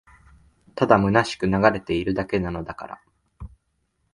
ただ空しく流れているだけなのだから